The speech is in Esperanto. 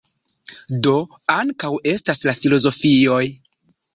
Do ankaŭ estas la filozofioj.